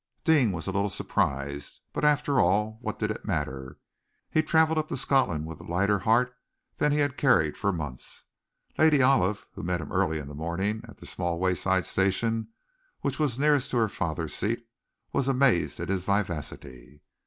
Deane was a little surprised, but after all what did it matter? He travelled up to Scotland with a lighter heart than he had carried for months. Lady Olive, who met him early in the morning at the small wayside station which was nearest to her father's seat, was amazed at his vivacity.